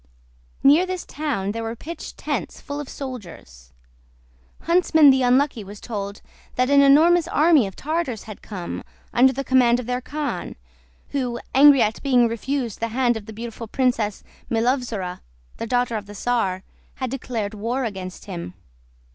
Near this town there were pitched tents full of soldiers. Huntsman the Unlucky was told that an enormous army of Tartars had come, under the command of their khan, who, angry at being refused the hand of the beautiful Princess Milovzora, the daughter of the czar, had declared war against him.